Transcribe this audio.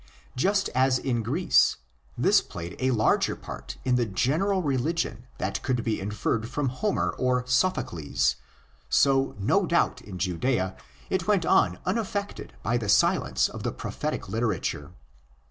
Just as in Greece this played a larger part in the general religion than could be inferred from Homer or Sophocles, so no doubt in δυάδα it went on unaffected by the silence of the prophetic literature.